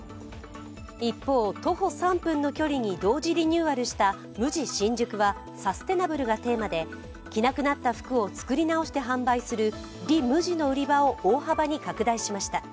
一方、徒歩３分の距離に同時リニューアルしたＭＵＪＩ新宿はサステイナブルがテーマで着なくなった服を作り直して販売するＲｅＭＵＪＩの売り場を大幅に拡大しました。